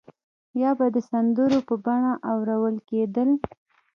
یا به د سندرو په بڼه اورول کېدل.